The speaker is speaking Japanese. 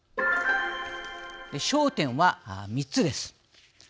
焦点は３つです。